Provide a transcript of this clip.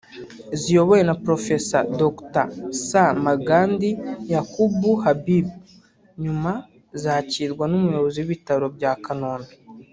ziyobowe na Prof Dr Sir Magdi Yacoub Habib; nyuma zakirwa n’Umuyobozi w’Ibitaro bya Kanombe